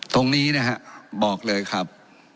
ตรงนี้นะฮะบอกเลยครับ